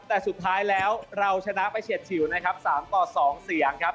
แต่สุดท้ายแล้วเราชนะไปเฉียดฉิวนะครับ๓ต่อ๒เสียงครับ